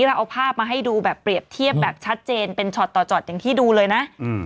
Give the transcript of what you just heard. เราเอาภาพมาให้ดูแบบเปรียบเทียบแบบชัดเจนเป็นช็อตต่อช็อตอย่างที่ดูเลยนะ